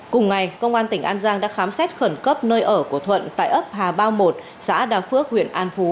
cùng ngày công an tỉnh an giang đã khám xét khẩn cấp nơi ở của thuận tại ấp hà bao một xã đa phước huyện an phú